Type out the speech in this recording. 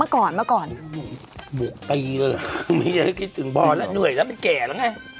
คือคิดถึงบ้านแล้วเหนื่อยแล้วไม่แก่แล้วไง